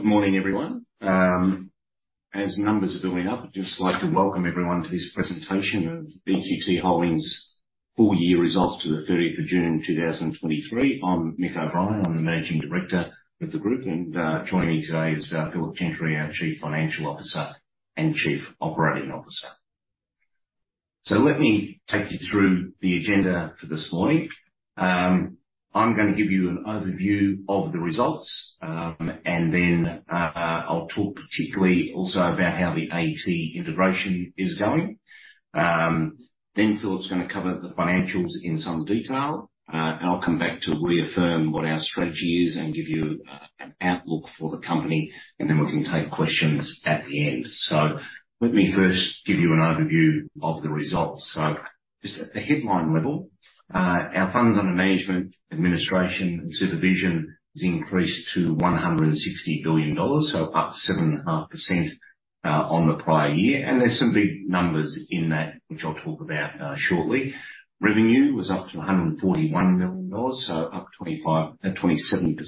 Well, good morning, everyone. As numbers are building up, I'd just like to welcome everyone to this presentation of EQT Holdings' full year results to the 30 June 2023. I'm Mick O'Brien, I'm the managing director of the group, and joining me today is Philip Gentry, our Chief Financial Officer and Chief Operating Officer. So let me take you through the agenda for this morning. I'm going to give you an overview of the results, and then I'll talk particularly also about how the AET integration is going. Then Philip's going to cover the financials in some detail, and I'll come back to reaffirm what our strategy is and give you an outlook for the company, and then we can take questions at the end. So let me first give you an overview of the results. So just at the headline level, our funds under management, administration, and supervision has increased to 160 billion dollars, so up 7.5%, on the prior year. And there's some big numbers in that, which I'll talk about, shortly. Revenue was up to 141 million dollars, so up 25%, 27%.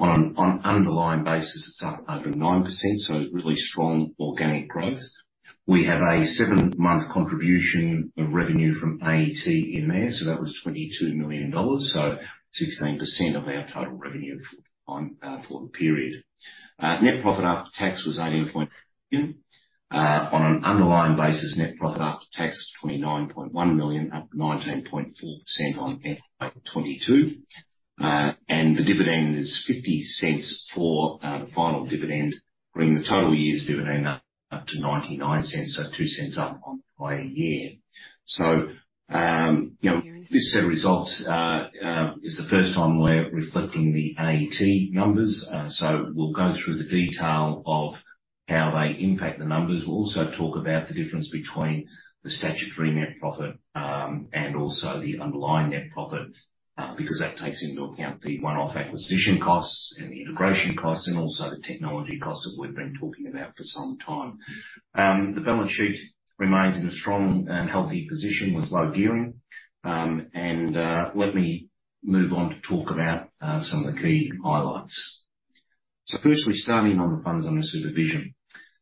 On an, on underlying basis, it's up 109%, so really strong organic growth. We have a seven-month contribution of revenue from AET in there, so that was 22 million dollars. So, 16% of our total revenue for the time, for the period. Net profit after tax was 18 point... On an underlying basis, net profit after tax, was 29.1 million, up 19.4% on FY 2022. The dividend is 0.50 for the final dividend, bringing the total year's dividend up to 0.99, so 0.02 up on prior year. So, you know, this set of results is the first time we're reflecting the AET numbers. So we'll go through the detail of how they impact the numbers. We'll also talk about the difference between the statutory net profit and also the underlying net profit because that takes into account the one-off acquisition costs and the integration costs, and also the technology costs that we've been talking about for some time. The balance sheet remains in a strong and healthy position with low gearing. And let me move on to talk about some of the key highlights. So first, we're starting on the funds under supervision.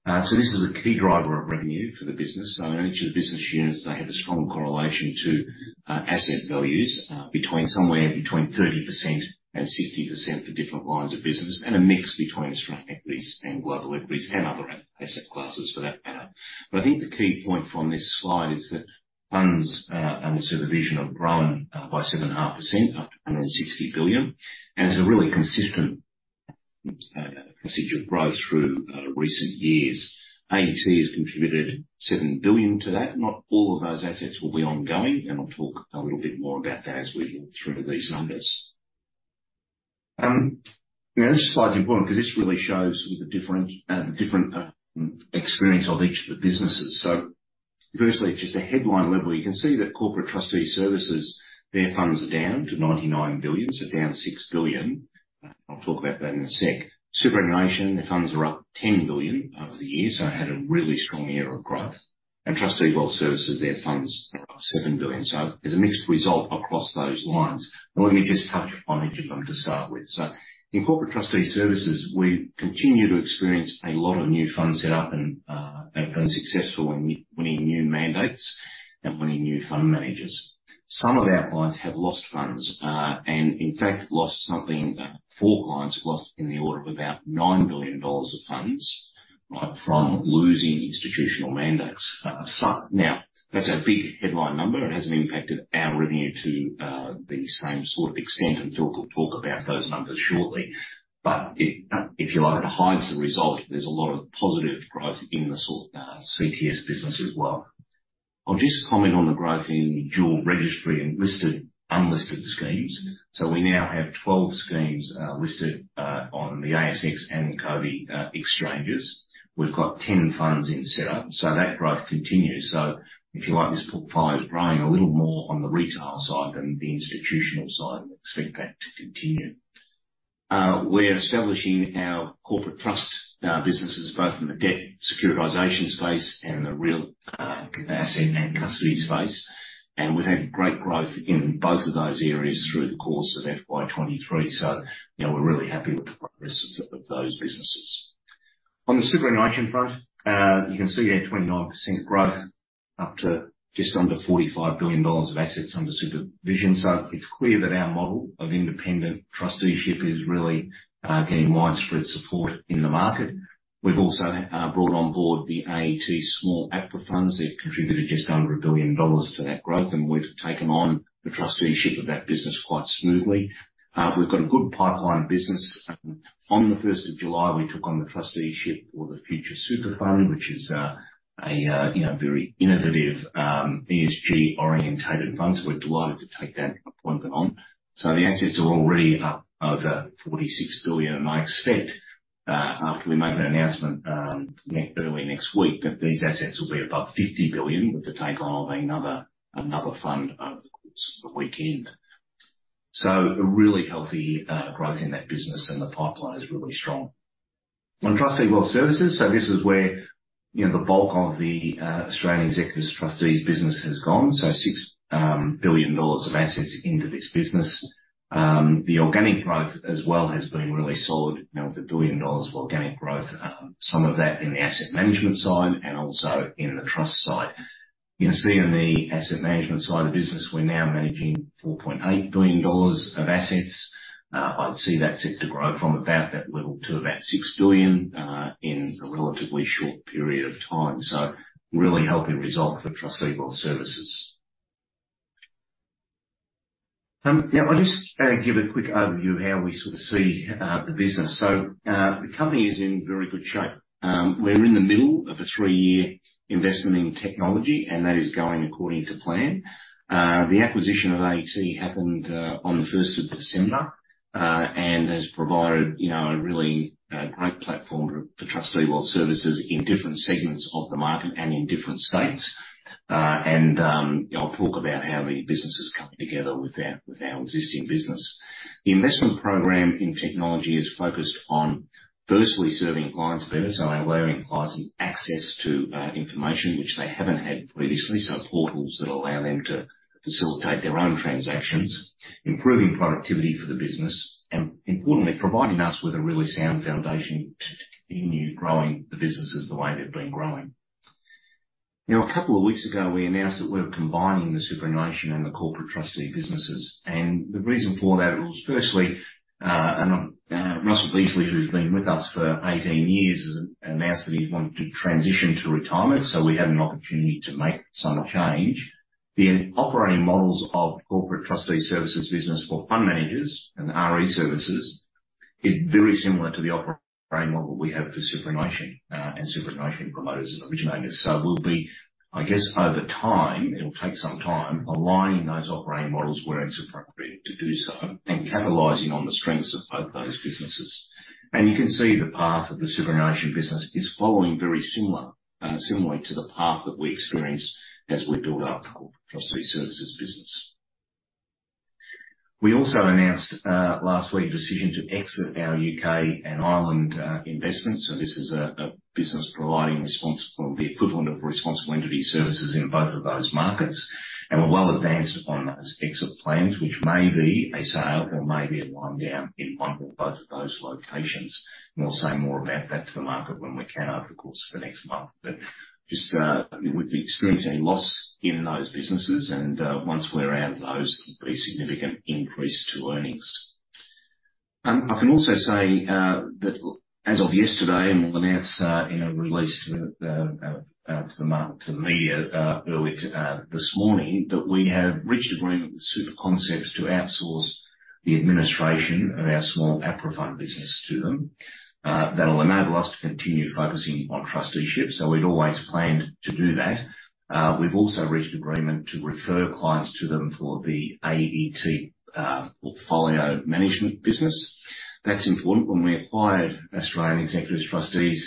So this is a key driver of revenue for the business. So in each of the business units, they have a strong correlation to asset values between somewhere between 30% to 60% for different lines of business, and a mix between Australian equities and global equities, and other asset classes for that matter. But I think the key point from this slide is that funds under supervision have grown by 7.5%, up to 160 billion. And it's a really consistent procedural growth through recent years. AET has contributed 7 billion to that. Not all of those assets will be ongoing, and I'll talk a little bit more about that as we go through these numbers. Now, this slide is important because this really shows the different experience of each of the businesses. So firstly, just a headline level, you can see that Corporate TrustQuay Services, their funds are down to 99 billion, so down 6 billion. I'll talk about that in a sec. Superannuation, the funds are up 10 billion over the year, so had a really strong year of growth. TrustQuay Wealth Services, their funds are up 7 billion. So there's a mixed result across those lines. Let me just touch on each of them to start with. So in Corporate TrustQuay Services, we continue to experience a lot of new funds set up and successful when winning new mandates and winning new fund managers. Some of our clients have lost funds, and in fact, lost something... Four clients lost in the order of about 9 billion dollars of funds, right, from losing institutional mandates. So now, that's a big headline number. It hasn't impacted our revenue to the same sort of extent, and Philip will talk about those numbers shortly. But if you like, behind the result, there's a lot of positive growth in the sort CTS business as well. I'll just comment on the growth in dual registry and listed, unlisted schemes. So we now have 12 schemes listed on the ASX and the Cboe exchanges. We've got 10 funds in setup, so that growth continues. So if you like, this portfolio is growing a little more on the retail side than the institutional side and expect that to continue. We are establishing our corporate trust businesses, both in the debt securitization space and the real asset and custody space. And we've had great growth in both of those areas through the course of FY 2023. So, you know, we're really happy with the progress of those businesses. On the superannuation front, you can see there 29% growth, up to just under 45 billion dollars of assets under supervision. So it's clear that our model of independent TrustQuayship is really getting widespread support in the market. We've also brought on board the AET small APRA funds. They've contributed just under 1 billion dollars to that growth, and we've taken on the TrustQuayship of that business quite smoothly. We've got a good pipeline business. On the first of July, we took on the TrustQuayship for the Future Super Fund, which is, you know, very innovative, ESG-oriented fund, so we're delighted to take that appointment on. So the assets are already up over 46 billion, and I expect, after we make that announcement, next, early next week, that these assets will be above 50 billion, with the take on of another fund over the course of the weekend. So a really healthy growth in that business, and the pipeline is really strong. On TrustQuay Wealth Services, so this is where, you know, the bulk of the Australian Executor TrustQuays business has gone. So 6 billion dollars of assets into this business. The organic growth as well has been really solid, you know, with 1 billion dollars of organic growth, some of that in the asset management side and also in the trust side. You can see in the asset management side of the business, we're now managing 4.8 billion dollars of assets. I'd see that set to grow from about that level to about 6 billion in a relatively short period of time. Really healthy result for TrustQuay Wealth Services. Yeah, I'll just give a quick overview of how we sort of see the business. The company is in very good shape. We're in the middle of a three-year investment in technology, and that is going according to plan. The acquisition of AET happened on the 1 December 2023 and has provided, you know, a really great platform for TrustQuay Wealth Services in different segments of the market and in different states. I'll talk about how the business is coming together with our existing business. The investment program in technology is focused on firstly, serving clients better, so allowing clients access to information which they haven't had previously, so portals that allow them to facilitate their own transactions, improving productivity for the business, and importantly, providing us with a really sound foundation to continue growing the businesses the way they've been growing. Now, a couple of weeks ago, we announced that we're combining the superannuation and the corporate TrustQuay businesses. The reason for that was firstly, Russell Beasley, who's been with us for 18 years, announced that he wanted to transition to retirement, so we had an opportunity to make some change. The operating models of Corporate TrustQuay Services business for fund managers and RE services is very similar to the operating model we have for superannuation and superannuation promoters and originators. So we'll be, I guess, over time, it'll take some time, aligning those operating models where it's appropriate to do so and catalyzing on the strengths of both those businesses. And you can see the path of the superannuation business is following very similar, similarly to the path that we experienced as we built our TrustQuay services business. We also announced last week a decision to exit our U.K. and Ireland investments. So this is a business providing responsible the equivalent of responsible entity services in both of those markets, and we're well advanced on those exit plans, which may be a sale or may be a wind down in one or both of those locations. We'll say more about that to the market when we can, over the course of the next month. But just, we've been experiencing loss in those businesses, and, once we're out of those, there'll be a significant increase to earnings. I can also say, that as of yesterday, and we'll announce, in a release to the market, to the media, early this morning, that we have reached agreement with SuperConcepts to outsource the administration of our small APRA fund business to them. That'll enable us to continue focusing on TrustQuayship. We'd always planned to do that. We've also reached agreement to refer clients to them for the AET portfolio management business. That's important. When we acquired Australian Executor TrustQuays,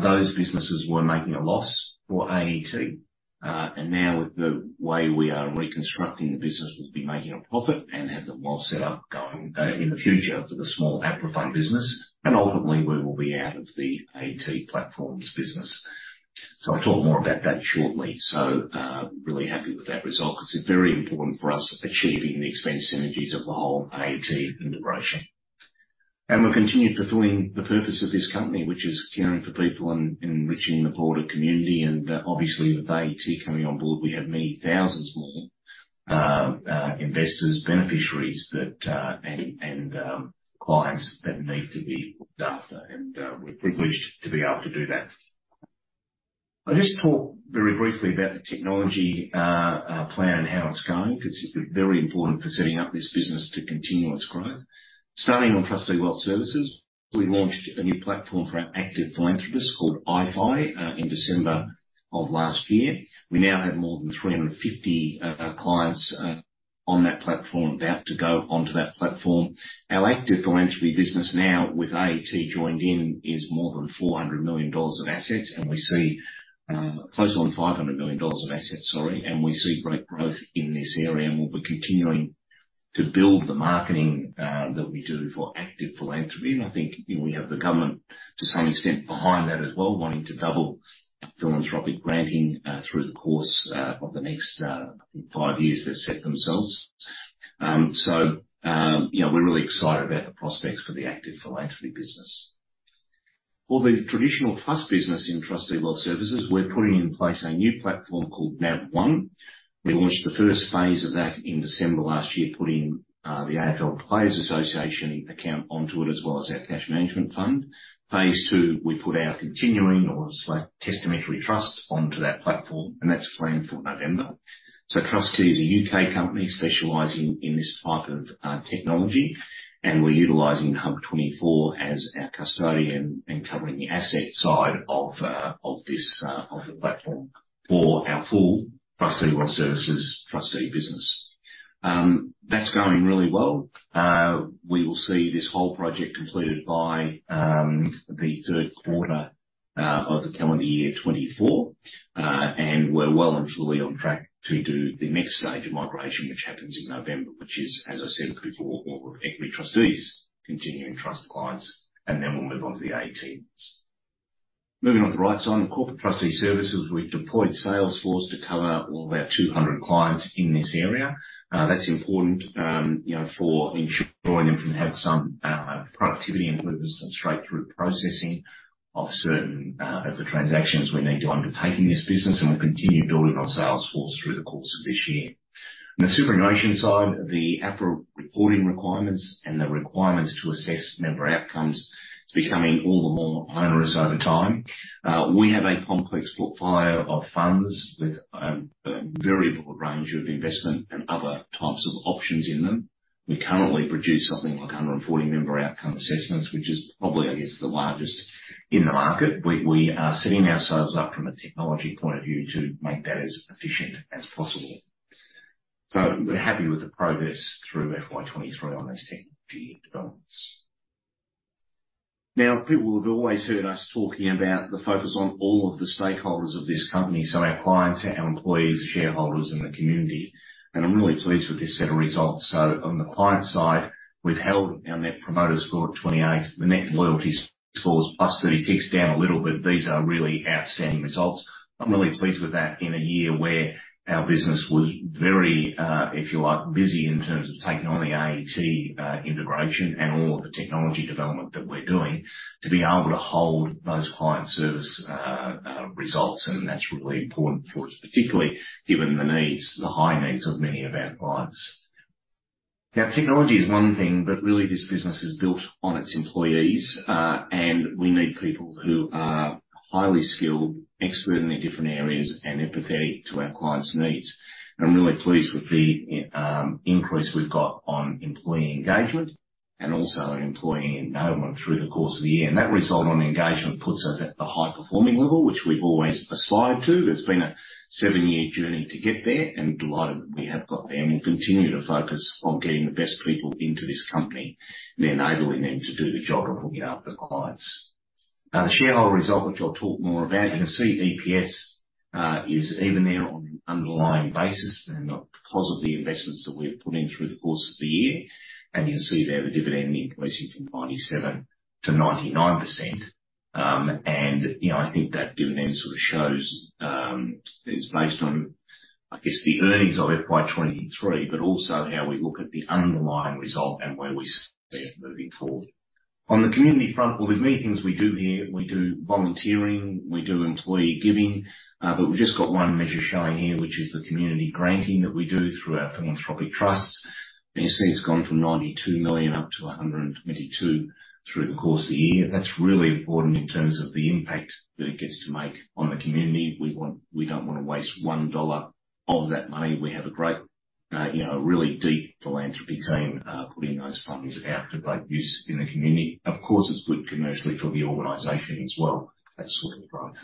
those businesses were making a loss for AET. And now with the way we are reconstructing the business, we'll be making a profit and have them well set up going in the future for the small APRA fund business. And ultimately, we will be out of the AET platforms business. So I'll talk more about that shortly. So, really happy with that result because it's very important for us achieving the expense synergies of the whole AET integration. And we'll continue fulfilling the purpose of this company, which is caring for people and enriching the broader community. Obviously, with AET coming on board, we have many thousands more investors, beneficiaries, that and clients that need to be looked after, and we're privileged to be able to do that. I'll just talk very briefly about the technology plan and how it's going, because it's very important for setting up this business to continue its growth. Starting on TrustQuay Wealth Services, we launched a new platform for our active philanthropists called iPhi in December of last year. We now have more than 350 clients on that platform, about to go onto that platform. Our active philanthropy business now, with AET joined in, is more than 400 million dollars in assets, and we see close on 500 million dollars in assets, sorry, and we see great growth in this area. We'll be continuing to build the marketing that we do for active philanthropy. I think we have the government to some extent behind that as well, wanting to double philanthropic granting through the course of the next five years they've set themselves. So, you know, we're really excited about the prospects for the active philanthropy business. For the traditional trust business in TrustQuay Wealth Services, we're putting in place a new platform called NavOne. We launched the first phase of that in December last year, putting the AFL Players Association account onto it, as well as our cash management fund. Phase two, we put our continuing or slight testamentary trusts onto that platform, and that's planned for November. So TrustQuay is a UK company specializing in this type of technology, and we're utilizing Hub24 as our custodian and covering the asset side of the platform for our full TrustQuay Wealth Services TrustQuay business. That's going really well. We will see this whole project completed by the third quarter of the calendar year 2024. And we're well and truly on track to do the next stage of migration, which happens in November, which is, as I said before, all Equity TrustQuays continuing trust clients, and then we'll move on to the AETs. Moving on to the right side, Corporate TrustQuay Services. We've deployed Salesforce to cover all of our 200 clients in this area. That's important, you know, for ensuring that we have some productivity improvements and straight-through processing of certain of the transactions we need to undertake in this business, and we'll continue building our sales force through the course of this year. On the superannuation side, the APRA reporting requirements and the requirements to assess member outcomes is becoming all the more onerous over time. We have a complex portfolio of funds with a variable range of investment and other types of options in them. We currently produce something like 140 member outcome assessments, which is probably, I guess, the largest in the market. We are setting ourselves up from a technology point of view to make that as efficient as possible. So we're happy with the progress through FY 2023 on those technology developments. Now, people will have always heard us talking about the focus on all of the stakeholders of this company, so our clients, our employees, shareholders, and the community. I'm really pleased with this set of results. On the client side, we've held our Net Promoter Score at 28. The net loyalty score is +36, down a little bit. These are really outstanding results. I'm really pleased with that in a year where our business was very, if you like, busy in terms of taking on the AET integration and all of the technology development that we're doing, to be able to hold those client service results. That's really important for us, particularly given the needs, the high needs of many of our clients. Now, technology is one thing, but really, this business is built on its employees, and we need people who are highly skilled, expert in their different areas, and empathetic to our clients' needs. I'm really pleased with the increase we've got on employee engagement and also employee enablement through the course of the year. That result on engagement puts us at the high-performing level, which we've always aspired to. It's been a seven-year journey to get there, and delighted that we have got there. We'll continue to focus on getting the best people into this company and enabling them to do the job of looking after the clients. Now, the shareholder result, which I'll talk more about, you can see EPS is even there on an underlying basis and not because of the investments that we've put in through the course of the year. You can see there the dividend increasing from 97% to 99%. You know, I think that dividend sort of shows is based on, I guess, the earnings of FY 2023, but also how we look at the underlying result and where we see it moving forward. On the community front, well, there's many things we do here. We do volunteering, we do employee giving, but we've just got one measure showing here, which is the community granting that we do through our philanthropic trusts. You see it's gone from 92 million up to 122 through the course of the year. That's really important in terms of the impact that it gets to make on the community. We want, we don't want to waste 1 dollar of that money. We have a great, you know, a really deep philanthropy team, putting those funds out to great use in the community. Of course, it's good commercially for the organization as well, that sort of growth.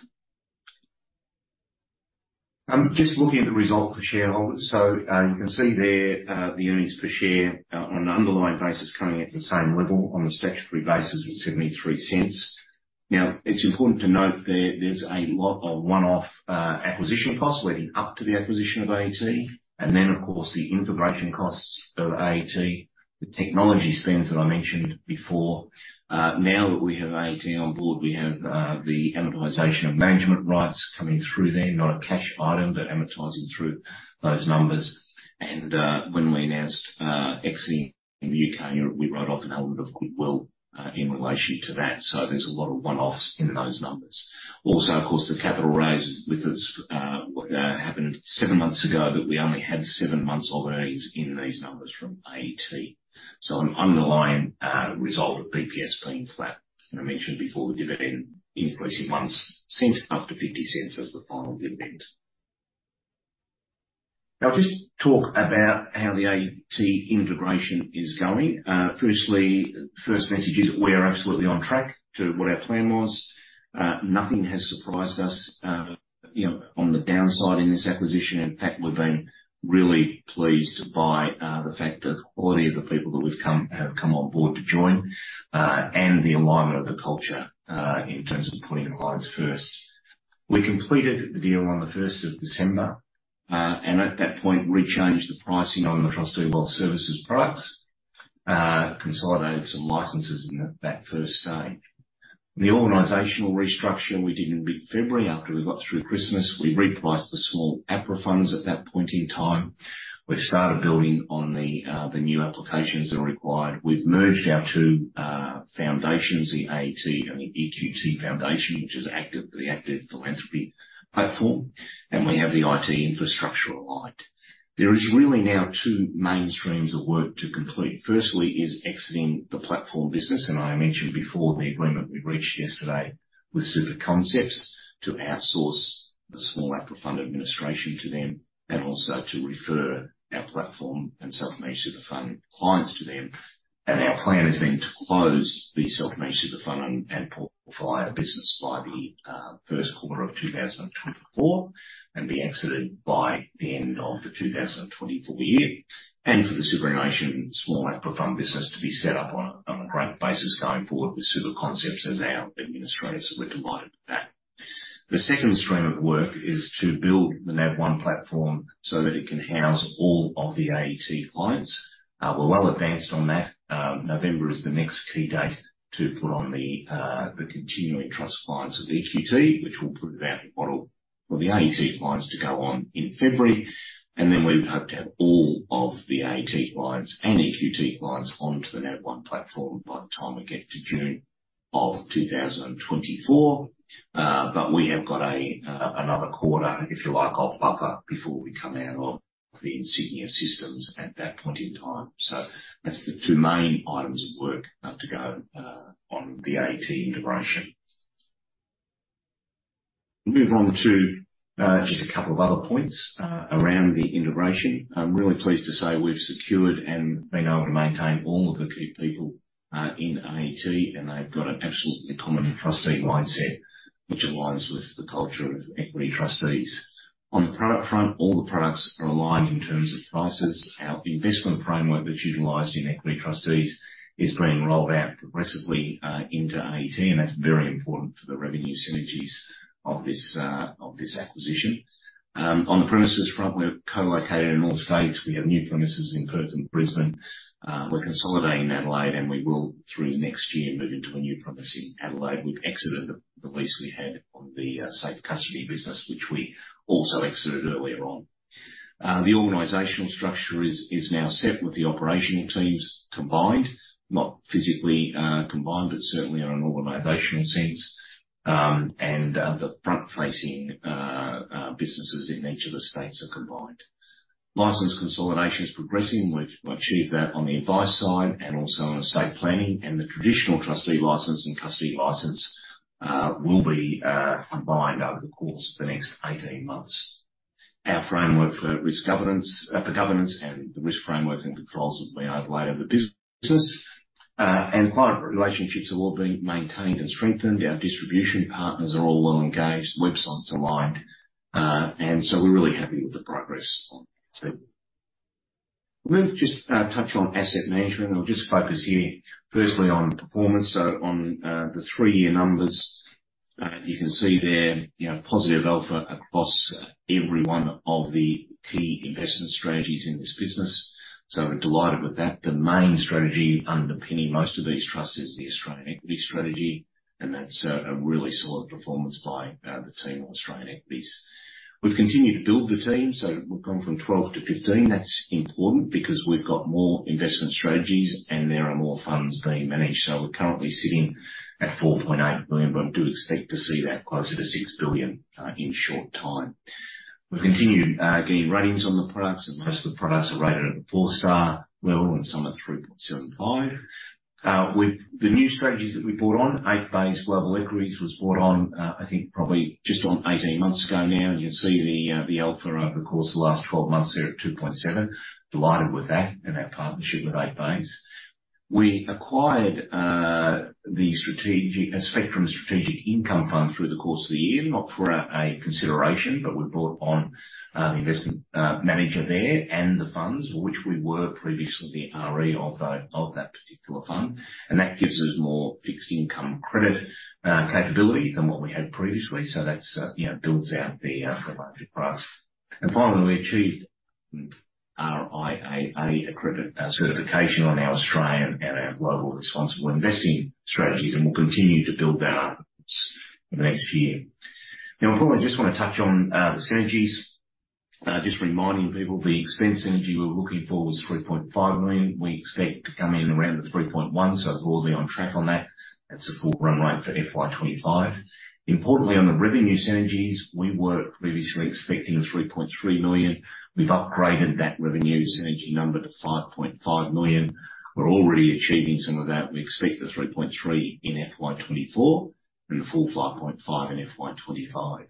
Just looking at the result for shareholders. So, you can see there, the earnings per share on an underlying basis coming at the same level. On a statutory basis, it's AUD 0.73. Now, it's important to note there, there's a lot of one-off, acquisition costs leading up to the acquisition of AET, and then, of course, the integration costs of AET, the technology spends that I mentioned before. Now that we have AET on board, we have, the amortization of management rights coming through there. Not a cash item, but amortizing through those numbers. When we announced exiting the UK and Europe, we wrote off an element of goodwill in relation to that. There's a lot of one-offs in those numbers. Also, of course, the capital raise with us happened seven months ago, but we only had seven months of earnings in these numbers from AET. An underlying result of EPS being flat. I mentioned before, the dividend increasing 0.01 up to 0.50 as the final dividend. I'll just talk about how the AET integration is going. Firstly, first message is we are absolutely on track to what our plan was. Nothing has surprised us, you know, on the downside in this acquisition. In fact, we've been really pleased by the fact that the quality of the people that have come on board to join, and the alignment of the culture, in terms of putting the clients first. We completed the deal on the 1 December 2023, and at that point, rechanged the pricing on the TrustQuay Wealth Services products, consolidated some licenses in that first stage. The organizational restructure we did in mid-February. After we got through Christmas, we repriced the small APRA funds at that point in time. We've started building on the new applications that are required. We've merged our two foundations, the AET and the EQT Foundation, which is active, the active philanthropy platform, and we have the IT infrastructure aligned. There is really now two main streams of work to complete. Firstly, is exiting the platform business, and I mentioned before the agreement we reached yesterday with SuperConcepts to outsource the small APRA fund administration to them, and also to refer our platform and self-managed super fund clients to them. Our plan is then to close the self-managed super fund and platform business by the first quarter of 2024, and be exited by the end of the 2024 year, and for the superannuation small APRA fund business to be set up on a great basis going forward with SuperConcepts as our administrators, so we're delighted with that. The second stream of work is to build the NavOne platform so that it can house all of the AET clients. We're well advanced on that. November is the next key date to put on the continuing trust clients of the EQT, which will put out a model for the AET clients to go on in February. And then we would hope to have all of the AET clients and EQT clients onto the NavOne platform by the time we get to June of 2024. But we have got another quarter, if you like, of buffer before we come out of the Insignia systems at that point in time. So that's the two main items of work to go on the AET integration. Moving on to just a couple of other points around the integration. I'm really pleased to say we've secured and been able to maintain all of the key people in AET, and they've got an absolutely common and trusty mindset, which aligns with the culture of Equity TrustQuays. On the product front, all the products are aligned in terms of prices. Our investment framework that's utilized in Equity TrustQuays is being rolled out progressively into AET, and that's very important for the revenue synergies of this acquisition. On the premises front, we're co-located in all states. We have new premises in Perth and Brisbane. We're consolidating Adelaide, and we will, through next year, move into a new premises in Adelaide. We've exited the lease we had on the safe custody business, which we also exited earlier on. The organizational structure is now set with the operational teams combined, not physically combined, but certainly on an organizational sense. And the front-facing businesses in each of the states are combined. License consolidation is progressing. We've achieved that on the advice side and also on estate planning, and the traditional TrustQuay license and custody license will be combined over the course of the next 18 months. Our framework for risk governance for governance and the risk framework and controls have been overlaid over the business, and client relationships are all being maintained and strengthened. Our distribution partners are all well engaged, websites aligned, and so we're really happy with the progress on that. Let's just touch on asset management. I'll just focus here firstly on performance. So on the three-year numbers, you can see there, you know, positive alpha across every one of the key investment strategies in this business. So we're delighted with that. The main strategy underpinning most of these trusts is the Australian Equity Strategy, and that's a really solid performance by the team on Australian Equities. We've continued to build the team, so we've gone from 12 to 15. That's important because we've got more investment strategies and there are more funds being managed. So we're currently sitting at 4.8 billion, but I do expect to see that closer to 6 billion in short time. We've continued getting ratings on the products, and most of the products are rated at a four-star level, and some are 3.75. With the new strategies that we brought on, Eight Bays Global Equities was brought on, I think probably just on 18 months ago now. And you can see the alpha over the course of the last 12 months there at 2.7. Delighted with that and our partnership with Eight Bays. We acquired the strategic Spectrum Strategic Income Fund through the course of the year. Not for a consideration, but we brought on the investment manager there and the funds, which we were previously the RE of that particular fund. And that gives us more fixed income credit capability than what we had previously. So that's, you know, builds out the range of products. Finally, we achieved RIAA accredited certification on our Australian and our global responsible investing strategies, and we'll continue to build that up in the next year. Now, I probably just want to touch on the synergies. Just reminding people, the expense synergy we were looking for was 3.5 million. We expect to come in around the 3.1 million, so we'll be on track on that. That's a full runway for FY 2025. Importantly, on the revenue synergies, we were previously expecting 3.3 million. We've upgraded that revenue synergy number to 5.5 million. We're already achieving some of that. We expect the 3.3 million in FY 2024 and a full 5.5 million in FY 2025.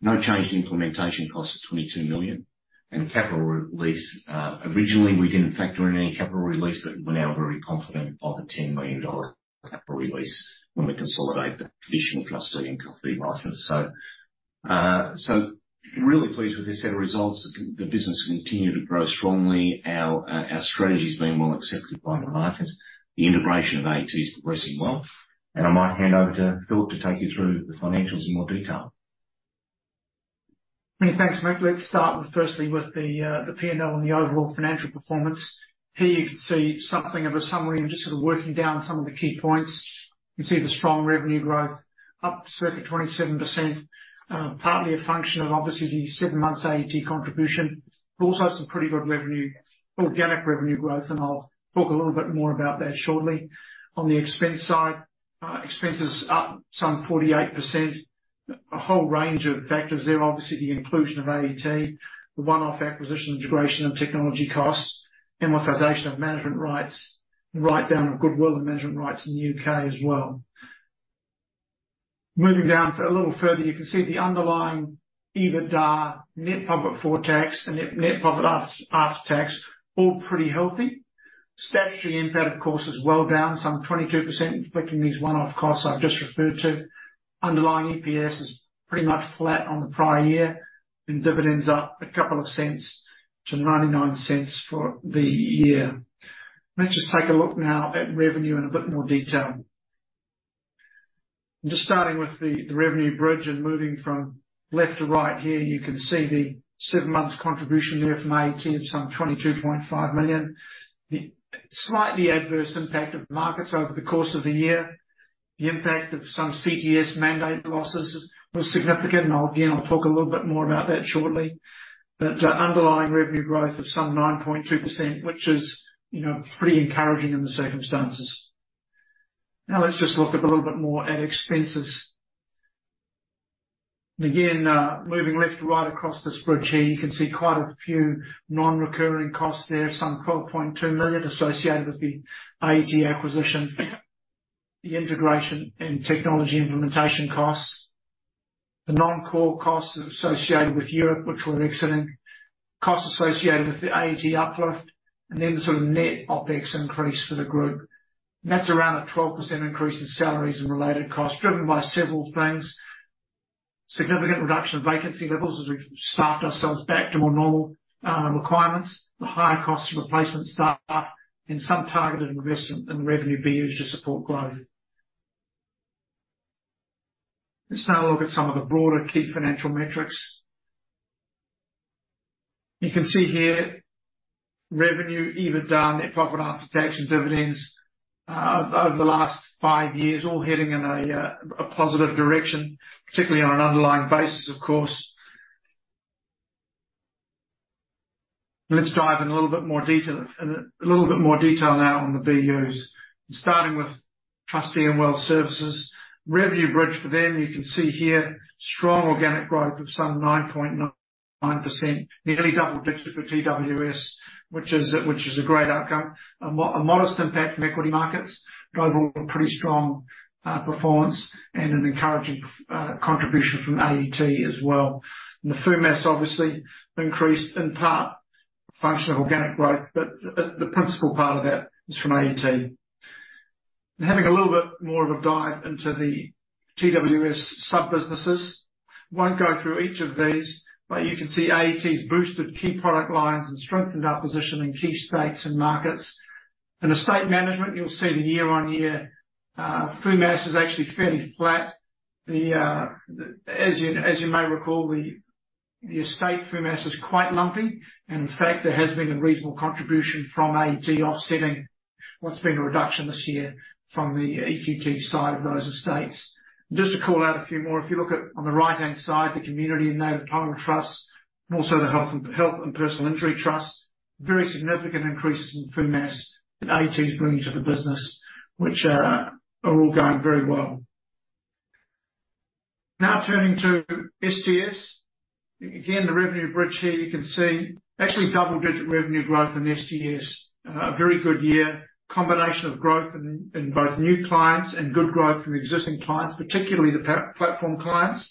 No change in implementation costs of 22 million and capital release. Originally, we didn't factor in any capital release, but we're now very confident of a 10 million dollar capital release when we consolidate the traditional custody and custody license. So, so really pleased with this set of results. The business continued to grow strongly. Our, our strategy is being well accepted by the market. The integration of AET is progressing well, and I might hand over to Philip to take you through the financials in more detail. Many thanks, Mick. Let's start with, firstly, with the P&L and the overall financial performance. Here you can see something of a summary and just sort of working down some of the key points. You can see the strong revenue growth up circa 27%, partly a function of obviously the seven months AET contribution, but also some pretty good revenue, organic revenue growth, and I'll talk a little bit more about that shortly. On the expense side, expenses up some 48%. A whole range of factors there. Obviously, the inclusion of AET, the one-off acquisition, integration, and technology costs, amortization of management rights, and write-down of goodwill and management rights in the UK as well. Moving down a little further, you can see the underlying EBITDA, net profit before tax, and net profit after tax, all pretty healthy. Statutory NPAT, of course, is well down, some 22%, reflecting these one-off costs I've just referred to. Underlying EPS is pretty much flat on the prior year, and dividends up a AUD 0.02 to 0.99 for the year. Let's just take a look now at revenue in a bit more detail. Just starting with the revenue bridge and moving from left to right here, you can see the seven months contribution there from AET of some 22.5 million. The slightly adverse impact of markets over the course of the year, the impact of some CTS mandate losses was significant, and again, I'll talk a little bit more about that shortly. But underlying revenue growth of some 9.2%, which is, you know, pretty encouraging in the circumstances. Now, let's just look a little bit more at expenses. And again, moving left to right across this bridge here, you can see quite a few non-recurring costs there, some 12.2 million associated with the AET acquisition, the integration and technology implementation costs, the non-core costs associated with Europe, which we're exiting, costs associated with the AET uplift, and then the sort of net OpEx increase for the group. That's around a 12% increase in salaries and related costs, driven by several things: significant reduction in vacancy levels as we've staffed ourselves back to more normal requirements, the higher cost of replacement staff, and some targeted investment in the revenue BU to support growth. Let's now look at some of the broader key financial metrics. You can see here, revenue, EBITDA, net profit after tax and dividends over the last five years, all heading in a positive direction, particularly on an underlying basis, of course. Let's dive in a little bit more detail now on the BUs. Starting with TrustQuay Wealth Services. Revenue bridge for them, you can see here, strong organic growth of some 9.99%. Nearly double digits for TWS, which is a great outcome. A modest impact from equity markets, but overall, a pretty strong performance and an encouraging contribution from AET as well. The firm has obviously increased in part function of organic growth, but the principal part of that is from AET. Having a little bit more of a dive into the TWS sub-businesses. Won't go through each of these, but you can see AET's boosted key product lines and strengthened our position in key states and markets. In estate management, you'll see the year-on-year FUMAS is actually fairly flat. The, as you, as you may recall, the, the estate FUMAS is quite lumpy, and in fact, there has been a reasonable contribution from AET offsetting what's been a reduction this year from the EQT side of those estates. Just to call out a few more, if you look at, on the right-hand side, the Community and Native Title Trust, and also the Health and, Health and Personal Injury Trust, very significant increases in FUMAS that AET is bringing to the business, which, are all going very well. Now turning to STS. Again, the revenue bridge here, you can see actually double-digit revenue growth in STS. A very good year. Combination of growth in both new clients and good growth from existing clients, particularly the platform clients.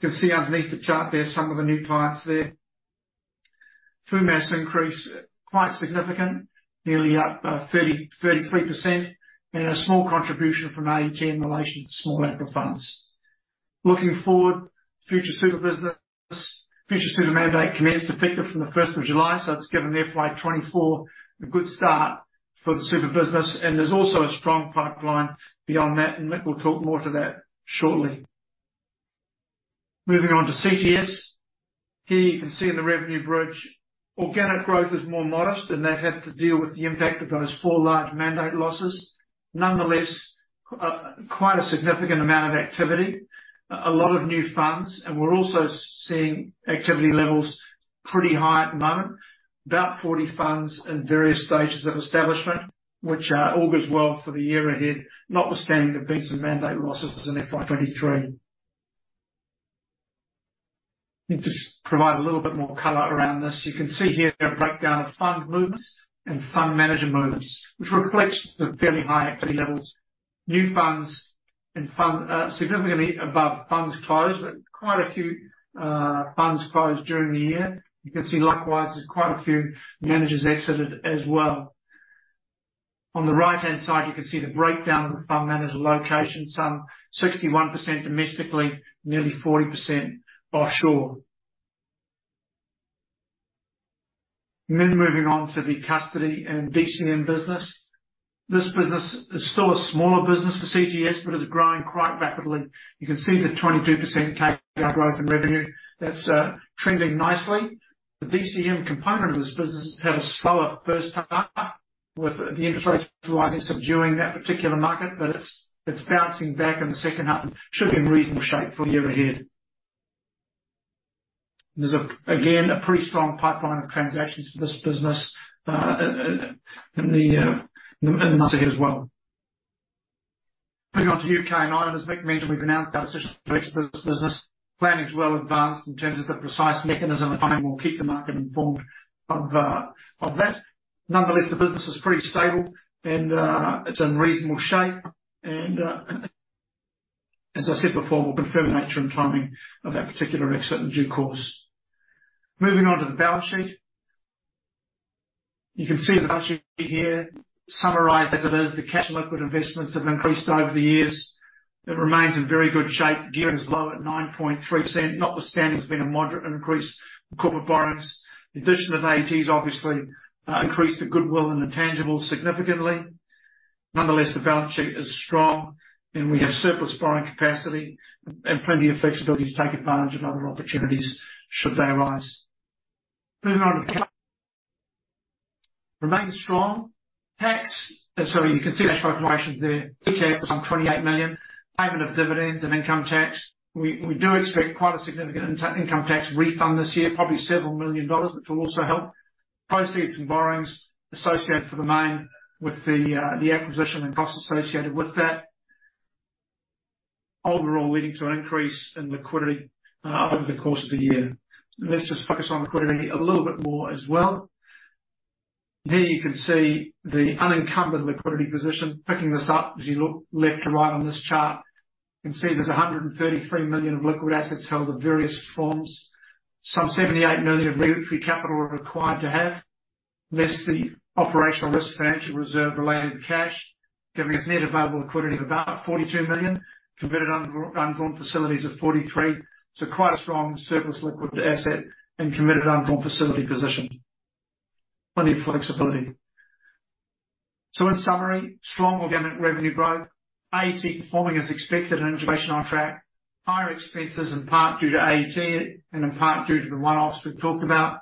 You can see underneath the chart there, some of the new clients there. FUMAS increase, quite significant, nearly up 33%, and a small contribution from AET in relation to small capital funds. Looking forward, Future Super business - Future Super mandate commenced effective from the first of July, so it's given the FY 2024 a good start for the super business, and there's also a strong pipeline beyond that, and we'll talk more to that shortly. Moving on to CTS. Here, you can see in the revenue bridge, organic growth is more modest, and they've had to deal with the impact of those four large mandate losses. Nonetheless, quite a significant amount of activity, a lot of new funds, and we're also seeing activity levels pretty high at the moment, about 40 funds in various stages of establishment, which all goes well for the year ahead, notwithstanding the beats and mandate losses in FY 2023. Let me just provide a little bit more color around this. You can see here a breakdown of fund movements and fund manager movements, which reflects the fairly high activity levels. New funds and fund significantly above funds closed. Quite a few funds closed during the year. You can see, likewise, there's quite a few managers exited as well. On the right-hand side, you can see the breakdown of the fund manager location, some 61% domestically, nearly 40% offshore. Then moving on to the custody and DCM business. This business is still a smaller business for CTS, but it's growing quite rapidly. You can see the 22% CAGR growth in revenue. That's trending nicely. The DCM component of this business had a slower first half, with the interest rates rising, subduing that particular market, but it's bouncing back in the second half and should be in reasonable shape for the year ahead. There's, again, a pretty strong pipeline of transactions for this business in the months ahead as well. Moving on to UK and Ireland, as Mick mentioned, we've announced our decision to exit this business. Planning is well advanced in terms of the precise mechanism, and we'll keep the market informed of that. Nonetheless, the business is pretty stable, and it's in reasonable shape, and as I said before, we'll confirm nature and timing of that particular exit in due course. Moving on to the balance sheet. You can see the balance sheet here, summarized as it is, the cash liquid investments have increased over the years. It remains in very good shape. Gearing is low at 9.3%, notwithstanding, there's been a moderate increase in corporate borrowings. The addition of AET has obviously increased the goodwill and the tangibles significantly. Nonetheless, the balance sheet is strong, and we have surplus borrowing capacity and plenty of flexibility to take advantage of other opportunities should they arise. Moving on to cash. Remains strong. Tax, so you can see the cash flow operations there. Tax on 28 million, payment of dividends and income tax. We do expect quite a significant income tax refund this year, probably several million AUD, which will also help. Proceeds from borrowings associated for the main with the acquisition and costs associated with that. Overall, leading to an increase in liquidity over the course of the year. Let's just focus on liquidity a little bit more as well. Here you can see the unencumbered liquidity position. Picking this up as you look left to right on this chart, you can see there's 133 million of liquid assets held in various forms. Some 78 million of regulatory capital we're required to have, less the operational risk financial reserve related to cash, giving us net available liquidity of about 42 million, committed undrawn facilities of 43. So quite a strong surplus liquid asset and committed undrawn facility position. Plenty of flexibility. So, in summary, strong organic revenue growth, AET performing as expected, and integration on track. Higher expenses in part due to AET and in part due to the one-offs we've talked about.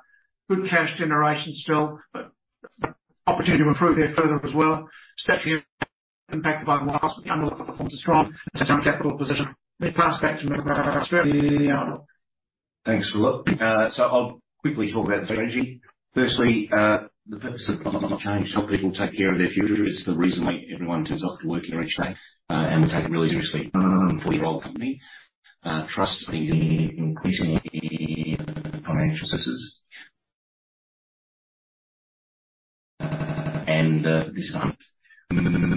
Good cash generation still, but opportunity to improve there further as well. Statutory impacted by the one-offs, but the underlying performance is strong and some capital position. Let me pass back to Mick O'Brien. Thanks a lot. So I'll quickly talk about the strategy. Firstly, the purpose to help people take care of their future is the reason why everyone turns up to work here each day, and we take it really seriously. 40-year-old company, TrustQuay in financial services.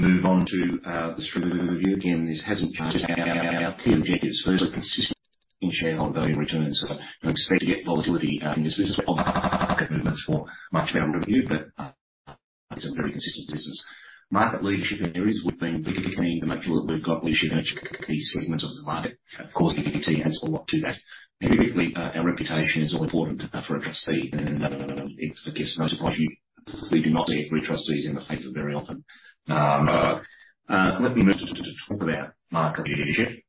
Move on to the strategy. Again, this hasn't changed. Our key objectives. Firstly, consistent in shareholder value returns. So we expect to get volatility in this business, market movements for much of our revenue, but it's a very consistent business. Market leadership in areas we've been looking to maintain the market leadership in key segments of the market. Of course, AET adds a lot to that. And quickly, our reputation is all important for a TrustQuay, and I guess most of what you... We do not see Equity TrustQuays in the paper very often. Let me move to talk about market leadership.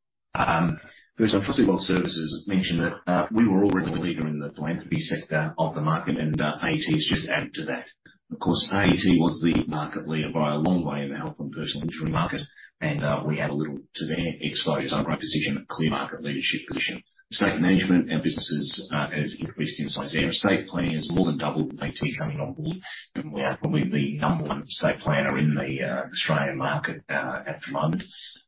First on TrustQuay Wealth Services, mentioned that we were already the leader in the philanthropy sector of the market, and AET's just added to that. Of course, AET was the market leader by a long way in the health and personal injury market, and we add a little to their exposure position, a clear market leadership position. Estate management, our businesses has increased in size. Our estate planning has more than doubled with AET coming on board, and we are probably the number one estate planner in the Australian market at the moment.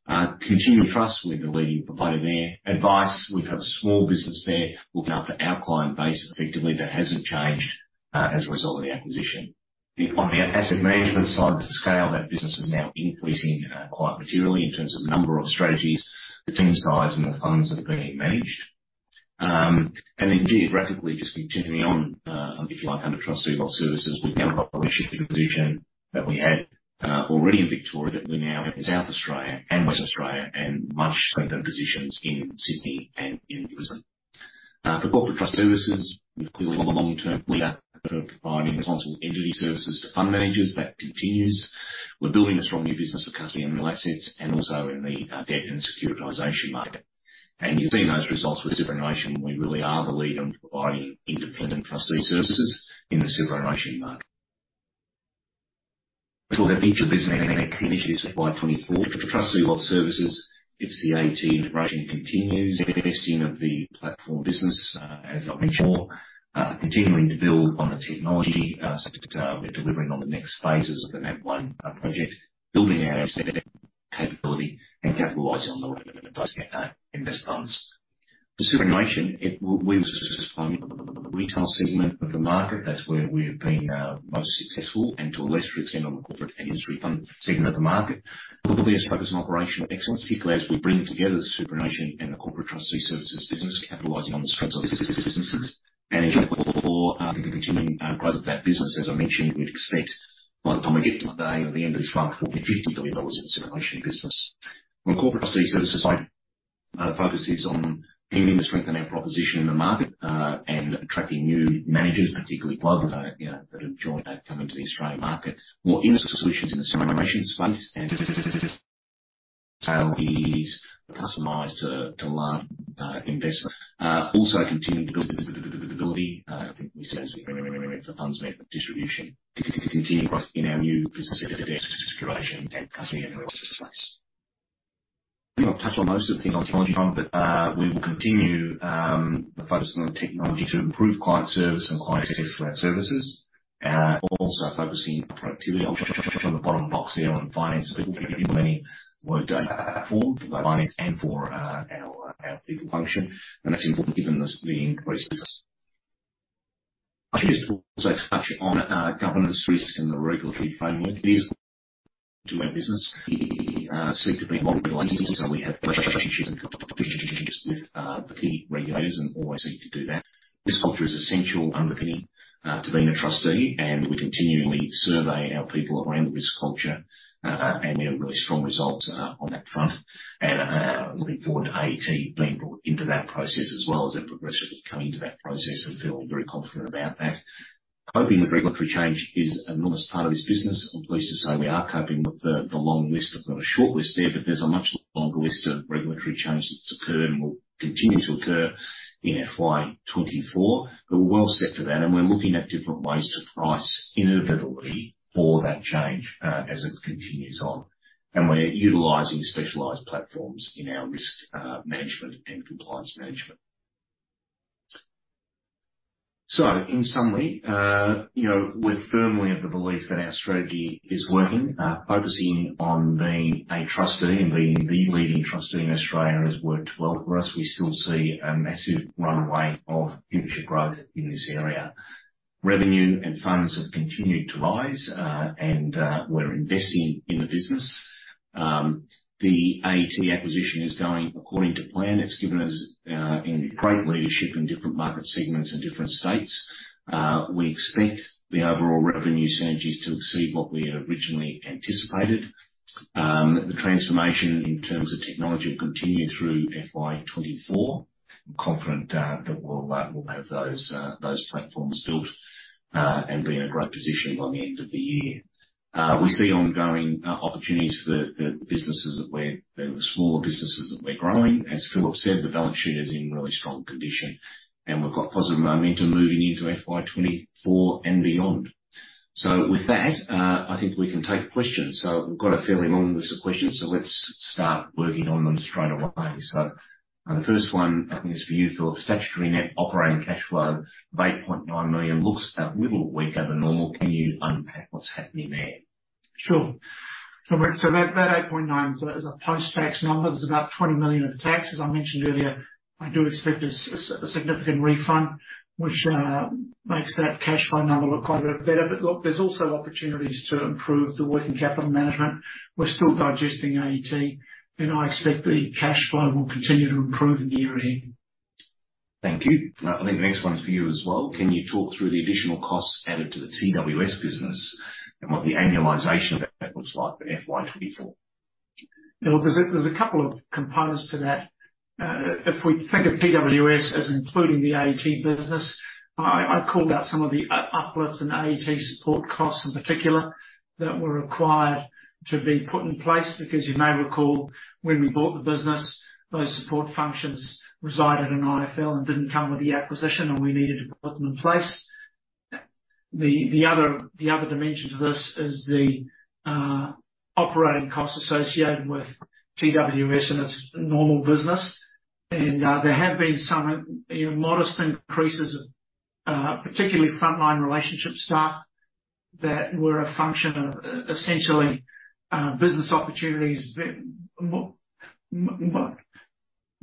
Continuing trust, we're the leading provider there. Advice, we have a small business there, looking after our client base. Effectively, that hasn't changed, as a result of the acquisition. Then on our asset management side, the scale of that business is now increasing, quite materially in terms of number of strategies, the team size, and the funds that are being managed. And then geographically, just continuing on, if you like, under TrustQuay Wealth Services, we now have a leadership position that we had, already in Victoria, that we now have in South Australia and West Australia, and much stronger positions in Sydney and in Brisbane. For Corporate TrustQuay Services, we're clearly the long-term leader for providing responsible entity services to fund managers. That continues. We're building a strong new business for custody and real assets, and also in the debt and securitization market. And you're seeing those results with Superannuation. We really are the leader in providing independent TrustQuay services in the superannuation market. So that each of these initiatives by 2024, TrustQuay Wealth Services, it's the AET integration continues. Investing of the platform business, as I mentioned before, continuing to build on the technology. So we're delivering on the next phases of the NavOne project, building our capability and capitalizing on the invest funds. The superannuation, it, we've just found the retail segment of the market. That's where we've been most successful and to a lesser extent, on the corporate and industry fund segment of the market. There will be a focus on operational excellence, particularly as we bring together the superannuation and the corporate TrustQuay services business, capitalizing on the strengths of the businesses and the continuing growth of that business. As I mentioned, we'd expect by the time we get to today or the end of this month, AUD 50 billion in the superannuation business. On corporate TrustQuay services side, our focus is on continuing to strengthen our proposition in the market, and attracting new managers, particularly global, you know, that have joined, are coming to the Australian market. More industry solutions in the superannuation space, and tailored is customized to large investors. Also continuing to build ability, I think we said for FundsNet distribution, to continue growth in our new business securitization and custody space. I'll touch on most of the things John, but, we will continue focusing on technology to improve client service and client access to our services, also focusing on productivity on the bottom line there on finance. We've done plenty of work for finance and for our people function, and that's important given the increased business. I'll just also touch on governance risk and the regulatory framework to our business. We seek to be well-regulated, so we have great relationships and communications with the key regulators and always seek to do that. This culture is essential underpinning to being a TrustQuay, and we continually survey our people around risk culture, and we have really strong results on that front. And looking forward to AET being brought into that process as well as they progressively come into that process, and feeling very confident about that. Coping with regulatory change is an enormous part of this business. I'm pleased to say we are coping with the long list. I've got a short list there, but there's a much longer list of regulatory changes that's occurred and will continue to occur in FY 2024. But we're well set for that, and we're looking at different ways to price inevitably for that change, as it continues on. And we're utilizing specialized platforms in our risk, management and compliance management. So in summary, you know, we're firmly of the belief that our strategy is working. Focusing on being a TrustQuay and being the leading TrustQuay in Australia has worked well for us. We still see a massive runway of future growth in this area. Revenue and funds have continued to rise, and we're investing in the business. The AET acquisition is going according to plan. It's given us great leadership in different market segments and different states. We expect the overall revenue synergies to exceed what we had originally anticipated. The transformation in terms of technology will continue through FY 2024. I'm confident that we'll have those platforms built and be in a great position by the end of the year. We see ongoing opportunities for the smaller businesses that we're growing. As Philip said, the balance sheet is in really strong condition, and we've got positive momentum moving into FY 2024 and beyond. With that, I think we can take questions. We've got a fairly long list of questions, so let's start working on them straight away. The first one I think is for you, Philip. Statutory net operating cash flow of 8.9 million looks a little weaker than normal. Can you unpack what's happening there? Sure. So that 8.9 is a post-tax number. There's about 20 million of tax, as I mentioned earlier. I do expect a significant refund, which makes that cash flow number look quite a bit better. But look, there's also opportunities to improve the working capital management. We're still digesting AET, and I expect the cash flow will continue to improve in the year ahead. Thank you. I think the next one's for you as well. Can you talk through the additional costs added to the TWS business and what the annualization of that looks like for FY 2024? Well, there's a couple of components to that. If we think of TWS as including the AET business, I called out some of the uplifts in AET support costs in particular, that were required to be put in place. Because you may recall, when we bought the business, those support functions resided in IFL and didn't come with the acquisition, and we needed to put them in place. The other dimension to this is the operating costs associated with TWS in its normal business. There have been some, you know, modest increases of particularly frontline relationship staff that were a function of essentially business opportunities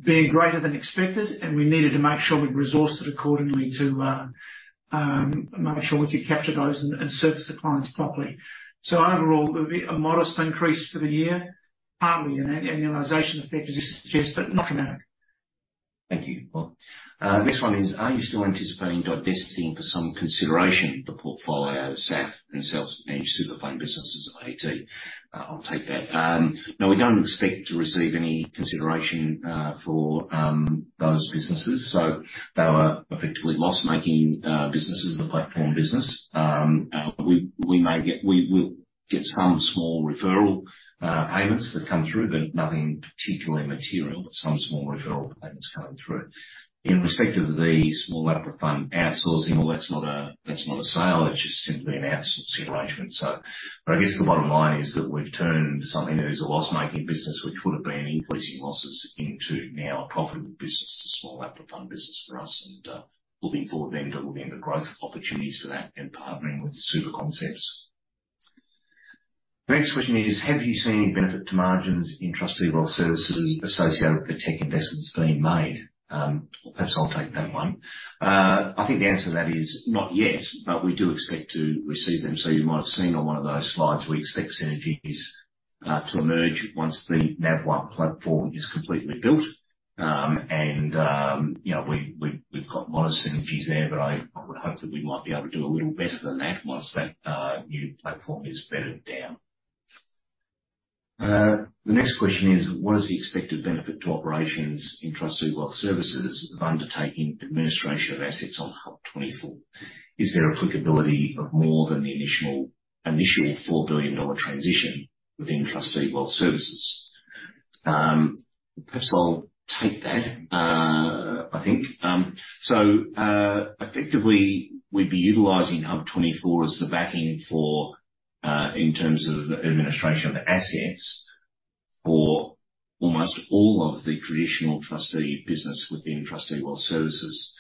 being greater than expected, and we needed to make sure we resourced it accordingly to make sure we could capture those and service the clients properly. Overall, a modest increase for the year, partly an annualization effect, as you suggest, but not dramatic. Thank you, Phil. Next one is: Are you still anticipating divesting for some consideration the portfolio of SAF and self-managed super fund businesses of AET? I'll take that. No, we don't expect to receive any consideration for those businesses, so they were effectively loss-making businesses, the platform business. We'll get some small referral payments that come through, but nothing particularly material, but some small referral payments coming through. In respect of the small APRA fund outsourcing, well, that's not a sale. That's just simply an outsourcing arrangement, so... But I guess the bottom line is that we've turned something that is a loss-making business, which would have been increasing losses, into now a profitable business, a small APRA fund business for us. Looking forward then to looking at the growth opportunities for that and partnering with SuperConcepts. The next question is: Have you seen any benefit to margins in TrustQuay Wealth Services associated with the tech investments being made? Perhaps I'll take that one. I think the answer to that is not yet, but we do expect to receive them. So you might have seen on one of those slides, we expect synergies to emerge once the NavOne platform is completely built. You know, we've got a lot of synergies there, but I would hope that we might be able to do a little better than that once that new platform is bedded down. The next question is: What is the expected benefit to operations in TrustQuay Wealth Services of undertaking administration of assets on Hub24? Is there applicability of more than the initial, initial 4 billion dollar transition within TrustQuay Wealth Services? Perhaps I'll take that, I think. So, effectively, we'd be utilizing Hub24 as the backing for, in terms of the administration of the assets for almost all of the traditional TrustQuay business within TrustQuay Wealth Services,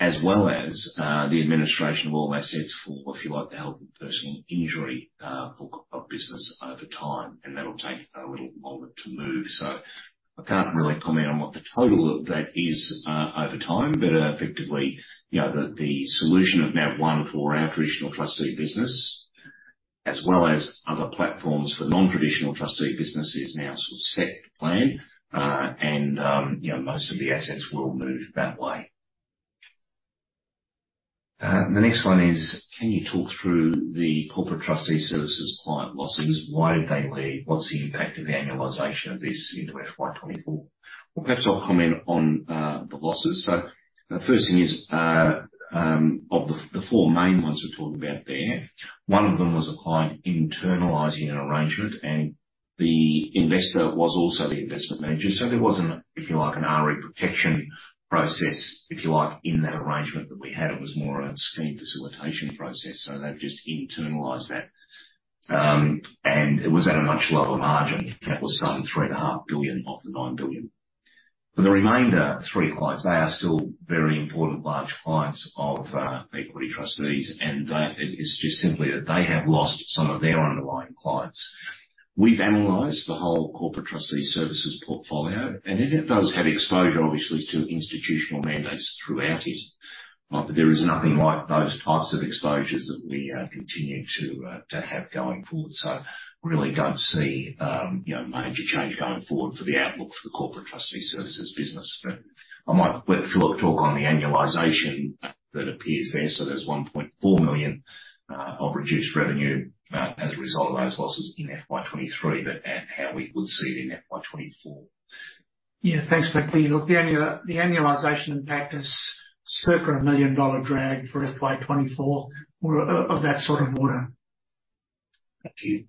as well as, the administration of all assets for, if you like, the health and personal injury, book of business over time, and that'll take a little longer to move. So I can't really comment on what the total of that is, over time, but, effectively, you know, the solution of NavOne for our traditional TrustQuay business- as well as other platforms for non-traditional TrustQuay businesses no set plan, and, you know, most of the assets will move that way. The next one is, can you talk through the Corporate TrustQuay Services client losses? Why did they leave? What's the impact of the annualization of this into FY 2024? Well, perhaps I'll comment on the losses. So the first thing is, of the four main ones we're talking about there. One of them was a client internalizing an arrangement, and the investor was also the investment manager. So there wasn't, if you like, an RE protection process, if you like, in that arrangement that we had. It was more of a scheme facilitation process. So they've just internalized that, and it was at a much lower margin. That was some 3.5 billion of the 9 billion. For the remainder three clients, they are still very important large clients of Equity TrustQuays, and they... It is just simply that they have lost some of their underlying clients. We've analyzed the whole Corporate TrustQuay Services portfolio, and it does have exposure, obviously, to institutional mandates throughout it. But there is nothing like those types of exposures that we continue to have going forward. So really don't see, you know, major change going forward for the outlook for the Corporate TrustQuay Services business. But I might let Philip talk on the annualization that appears there. So there's 1.4 million of reduced revenue as a result of those losses in FY 2023, but, and how we would see it in FY 2024. Yeah, thanks, Mick. Look, the annualization impact is circa AUD 1 million drag for FY 2024 or of that sort of order. Thank you.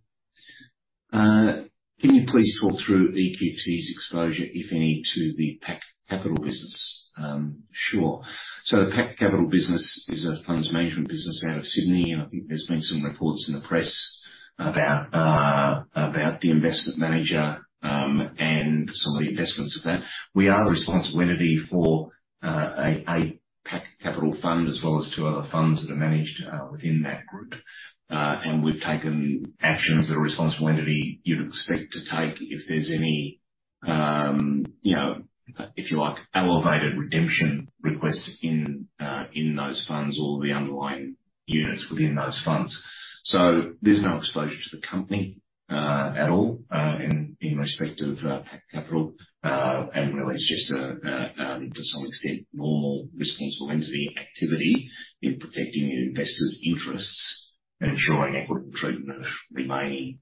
Can you please talk through EQT's exposure, if any, to the Pac Capital business? Sure. So the Pac Capital business is a funds management business out of Sydney, and I think there's been some reports in the press about the investment manager and some of the investments of that. We are the responsibility for a Pac Capital fund as well as two other funds that are managed within that group. And we've taken actions that a responsibility you'd expect to take if there's any, you know, if you like, elevated redemption requests in those funds or the underlying units within those funds. So there's no exposure to the company at all in respect of Pac Capital. And really, it's just to some extent, normal responsible entity activity in protecting the investors' interests and ensuring equitable treatment of remaining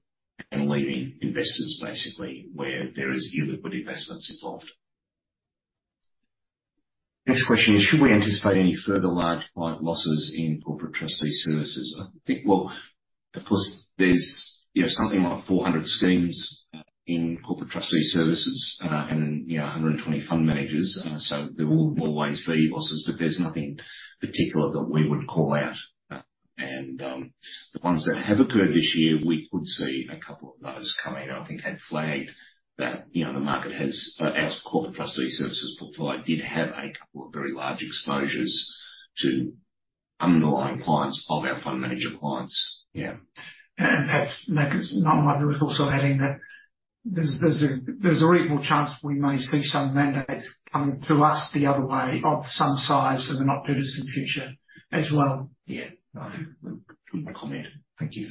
and leaving investors, basically, where there is illiquid investments involved. Next question is, should we anticipate any further large client losses in Corporate TrustQuay Services? I think, well, of course, there's, you know, something like 400 schemes in Corporate TrustQuay Services, and, you know, 120 fund managers. So there will always be losses, but there's nothing particular that we would call out. And the ones that have occurred this year, we could see a couple of those coming. I think had flagged that, you know, the market has, as Corporate TrustQuay Services portfolio, did have a couple of very large exposures to underlying clients of our fund manager clients. Yeah. Perhaps, Mick, it might be worth also adding that there's a reasonable chance we may see some mandates coming to us the other way, of some size in the not-too-distant future as well. Yeah. Good comment. Thank you,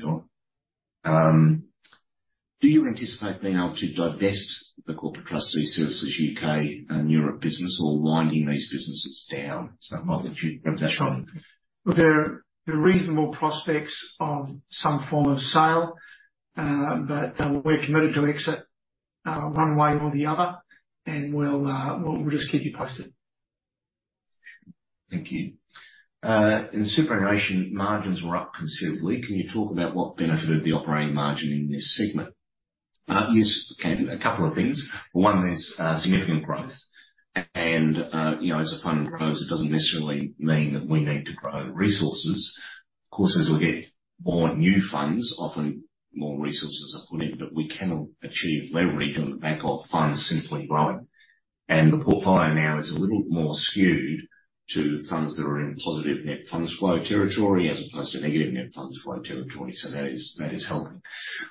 Phil. Do you anticipate being able to divest the corporate TrustQuay services U.K. and Europe business or winding these businesses down? So I might let you have that one. Sure. Well, there are reasonable prospects of some form of sale, but we're committed to exit one way or the other, and we'll just keep you posted. Thank you. In the superannuation, margins were up considerably. Can you talk about what benefited the operating margin in this segment? Yes, can. A couple of things. One is, significant growth. And, you know, as a fund grows, it doesn't necessarily mean that we need to grow resources. Of course, as we get more new funds, often more resources are committed, but we can achieve leverage on the back of funds simply growing. And the portfolio now is a little more skewed to funds that are in positive net funds flow territory as opposed to negative net funds flow territory. So that is, that is helping.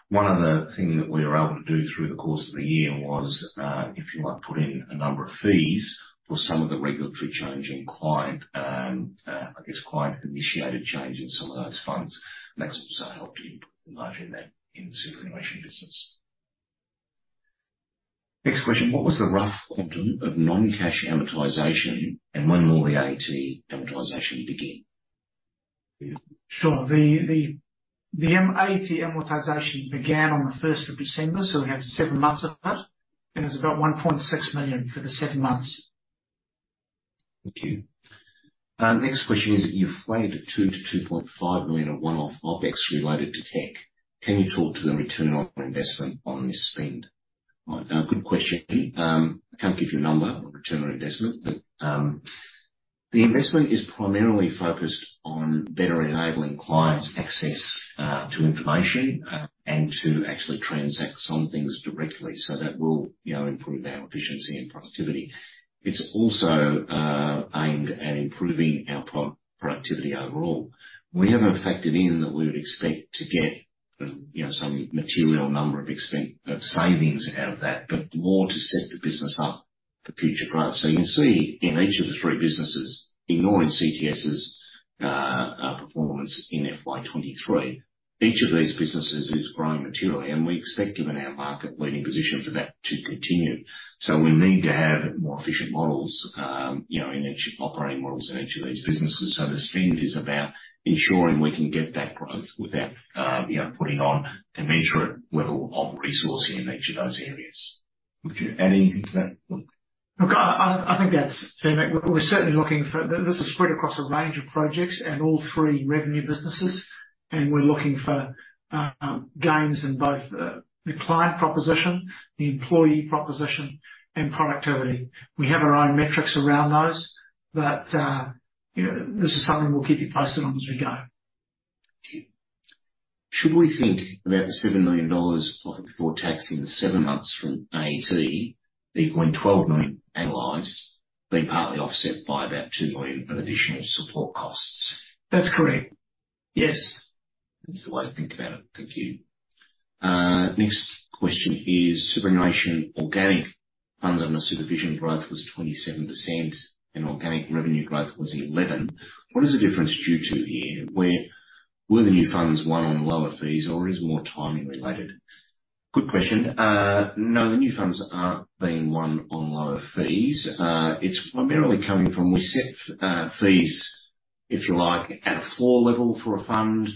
One other thing that we were able to do through the course of the year was, if you like, put in a number of fees for some of the regulatory change in client, I guess, client-initiated changes in some of those funds. And that's also helped improve the margin there in the superannuation business. Next question: What was the rough component of non-cash amortization, and when will the AET amortization begin? Sure. The AET amortization began on the 1 December 2023, so we have seven months of it, and it's about 1.6 million for the seven months. Thank you. Next question is, you flagged 2 to 2.5 million, a one-off OpEx related to tech. Can you talk to the return on investment on this spend? Right. Good question. I can't give you a number on return on investment. But, the investment is primarily focused on better enabling clients' access to information and to actually transact some things directly. So that will, you know, improve our efficiency and productivity. It's also aimed at improving our productivity overall. We haven't factored in that we would expect to get, you know, some material number or extent of savings out of that, but more to set the business up for future growth. So you can see in each of the three businesses, ignoring CTS's performance in FY 2023, each of these businesses is growing materially, and we expect, given our market leading position, for that to continue. So we need to have more efficient models, you know, in each operating models in each of these businesses. So this theme is about ensuring we can get that growth without, you know, putting on a major level of resourcing in each of those areas. Would you add anything to that, Phil? Look, I think that's fair, mate. We're certainly looking for, this is spread across a range of projects and all three revenue businesses, and we're looking for gains in both the client proposition, the employee proposition, and productivity. We have our own metrics around those, but you know, this is something we'll keep you posted on as we go. Thank you. Should we think about the 7 million dollars profit before tax in the seven months from AET to the 12 million annualized, being partly offset by about 2 million of additional support costs? That's correct. Yes. That's the way to think about it. Thank you. Next question is, superannuation organic funds under supervision growth was 27% and organic revenue growth was 11%. What is the difference due to here? Where were the new funds won on lower fees, or is more timing related? Good question. No, the new funds aren't being won on lower fees. It's primarily coming from, we set fees, if you like, at a floor level for a fund,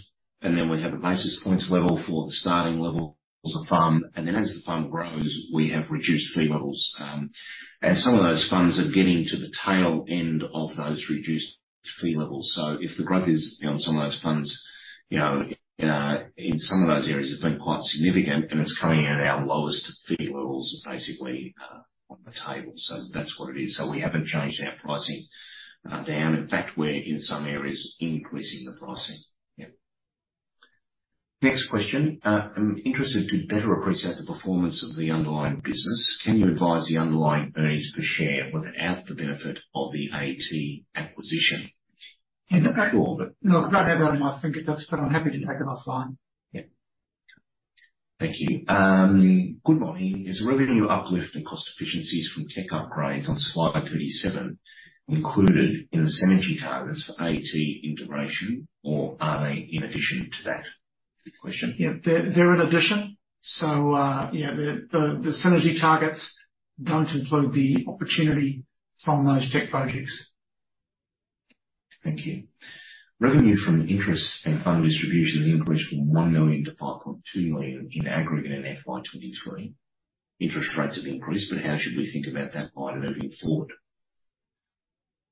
and then we have a basis points level for the starting level of the fund, and then as the fund grows, we have reduced fee levels. And some of those funds are getting to the tail end of those reduced fee levels. So if the growth is, you know, in some of those funds, you know, in some of those areas have been quite significant, and it's coming at our lowest fee levels, basically, on the table. So that's what it is. So we haven't changed our pricing down. In fact, we're in some areas increasing the pricing. Yep. Next question. I'm interested to better appreciate the performance of the underlying business. Can you advise the underlying earnings per share without the benefit of the AET acquisition? Sure. No, I don't have that at my fingertips, but I'm happy to take it offline. Yeah. Thank you. Good morning. Is revenue uplift and cost efficiencies from tech upgrades on slide 37 included in the synergy targets for AET integration, or are they in addition to that? Good question. Yeah, they're in addition. So, you know, the synergy targets don't include the opportunity from those tech projects. Thank you. Revenue from interest and fund distributions increased from 1 to 5.2 million in aggregate in FY 2023. Interest rates have increased, but how should we think about that moving forward?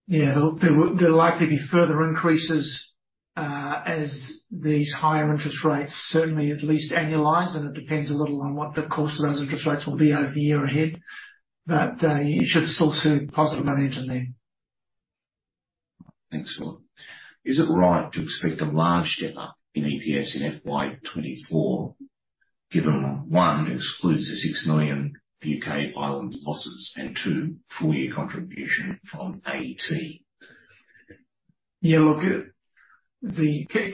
Yeah, there will likely be further increases, as these higher interest rates certainly at least annualize, and it depends a little on what the course of those interest rates will be over the year ahead. But, you should still see positive momentum there. Thanks, Phil. Is it right to expect a large jump up in EPS in FY 2024, given, one, excludes the 6 million UK Ireland losses, and two, full year contribution from AET? Yeah, look,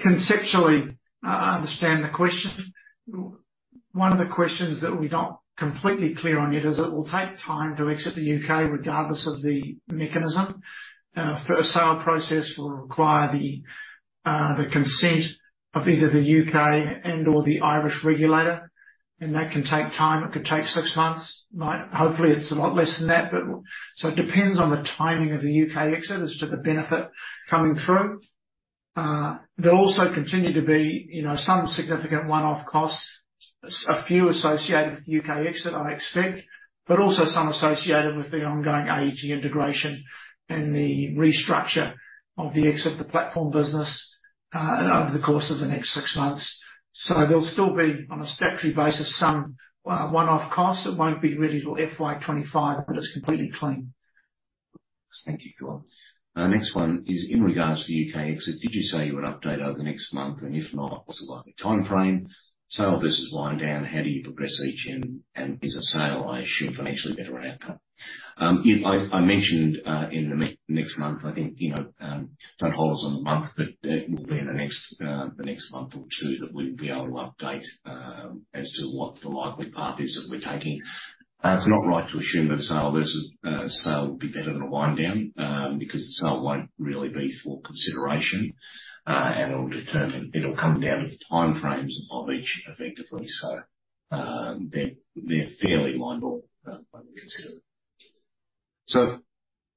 conceptually, I understand the question. One of the questions that we're not completely clear on yet is it will take time to exit the UK, regardless of the mechanism. For a sale process will require the consent of either the UK and/or the Irish regulator, and that can take time. It could take six months. Might hopefully, it's a lot less than that, but... So it depends on the timing of the UK exit as to the benefit coming through. There'll also continue to be, you know, some significant one-off costs, a few associated with the UK exit, I expect, but also some associated with the ongoing AET integration and the restructure of the exit of the platform business, over the course of the next six months. So, there'll still be, on a statutory basis, some one-off costs that won't be really till FY 2025, but it's completely clean. Thank you, Phil. Next one is in regards to the U.K. exit. Did you say you would update over the next month? And if not, what's the likely timeframe, sale versus wind down? How do you progress each end? And is a sale, I assume, financially better outcome? Yeah, I mentioned in the next month, I think, you know, don't hold us on the month, but it will be in the next month or two that we'll be able to update as to what the likely path is that we're taking. It's not right to assume that a sale versus sale would be better than a wind down because the sale won't really be for consideration, and it'll determine it'll come down to the time frames of each effectively. So, they're fairly line ball when we consider it. So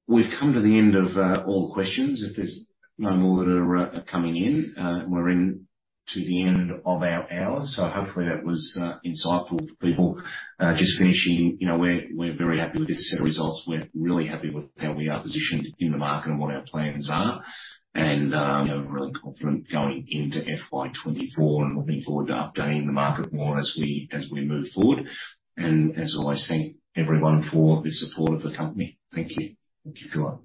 we've come to the end of all questions. If there's no more that are coming in, we're in to the end of our hour. So hopefully that was insightful for people. Just finishing, you know, we're very happy with this set of results. We're really happy with how we are positioned in the market and what our plans are, and we're really confident going into FY 2024 and looking forward to updating the market more as we move forward. And as always, thank everyone for the support of the company. Thank you. Thank you, Phil.